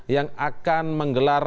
yang akan menggelar